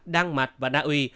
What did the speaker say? đan mạch và naui